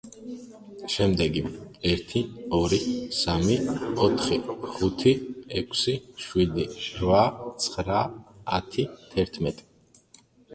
შემდეგი: ერთი, ორი, სამი, ოთხი, ხუთი, ექვსი, შვიდი, რვა, ცხრა, ათი, თერთმეტი.